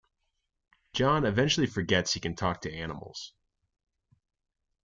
John eventually forgets he can talk to animals.